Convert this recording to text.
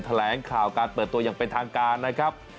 แถลงข่าวการเปิดตัวอย่างเป็นทางการนะครับ